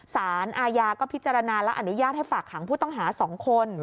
สารอาญาก็พิจารณาและอนุญาตให้ฝากขังผู้ต้องหา๒คน